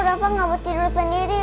rafa gak mau tidur sendiri